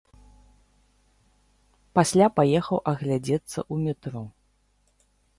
Пасля паехаў агледзецца ў метро.